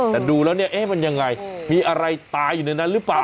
แต่ดูแล้วเนี่ยเอ๊ะมันยังไงมีอะไรตายอยู่ในนั้นหรือเปล่า